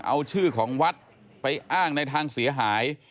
เอาชื่อของวัดไปอ้างในทางเสียหาย